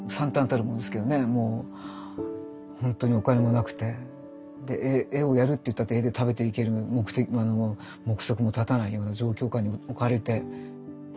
ほんとにお金もなくて絵をやるっていったって絵で食べていける目測も立たないような状況下に置かれて。